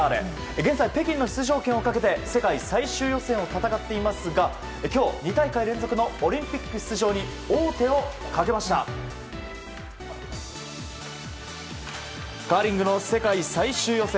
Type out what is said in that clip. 現在、北京の出場権をかけて世界最終予選を戦っていますが今日、２大会連続のオリンピック出場にカーリングの世界最終予選。